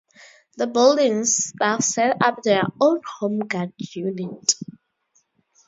The building's staff set up their own Home Guard unit.